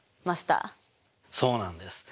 そうなんです。